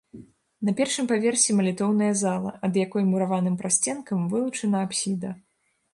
На першым паверсе малітоўная зала, ад якой мураваным прасценкам вылучана апсіда.